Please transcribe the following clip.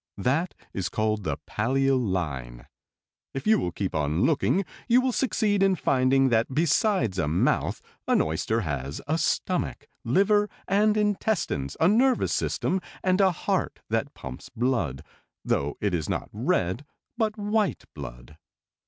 That is called the pallial line. "If you will keep on looking you will succeed in finding that besides a mouth an oyster has a stomach, liver and intestines, a nervous system, and a heart that pumps blood, though it is not red but white blood.